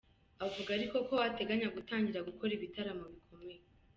Avuga ariko ko ateganya gutangira gukora ibitaramo bikomeye.